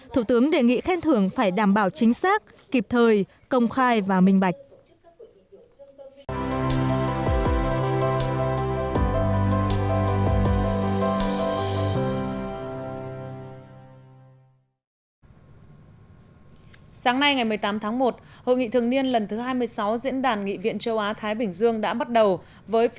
thủ tướng đề nghị khen thưởng phải đảm bảo chính xác kịp thời công khai và minh bạch